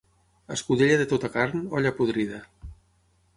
Escudella de tota carn, olla podrida.